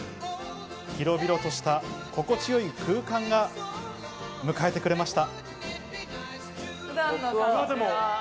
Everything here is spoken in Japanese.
広々とした心地よい空間が迎えてくれました。